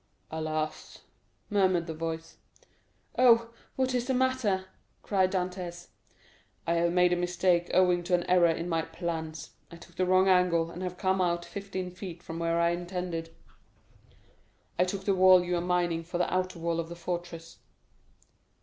"Alas!" murmured the voice. "Oh, what is the matter?" cried Dantès. "I have made a mistake owing to an error in my plans. I took the wrong angle, and have come out fifteen feet from where I intended. I took the wall you are mining for the outer wall of the fortress."